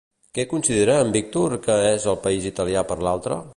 Què considera en Víctor que és el país italià per l'altre?